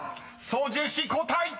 ［操縦士交代］